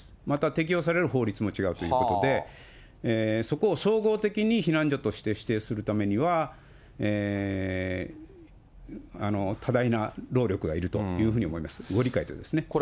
また適用される法律も違うということで、そこを総合的に避難所として指定するためには、多大な労力がいるということでございます、ご理解とですね。